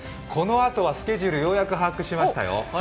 このあとはスケジュール、ようやく把握しましたよ。